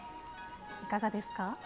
いかがですか？